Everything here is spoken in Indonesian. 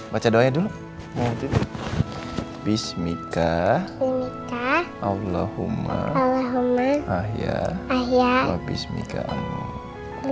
baca doanya dulu bismillah allahumma allahumma ahya ahya bismillah